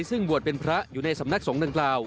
ซึ่งบวชเป็นพระอยู่ในสำนักสงฆ์ดังกล่าว